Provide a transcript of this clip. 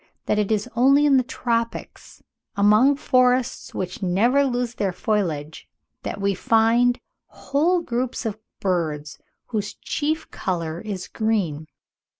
that "it is only in the tropics, among forests which never lose their foliage, that we find whole groups of birds, whose chief colour is green."